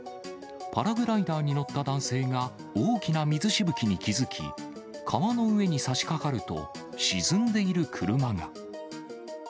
パラグライダーに乗った男性が、大きな水しぶきに気付き、川の上にさしかかると、沈んでいる車が。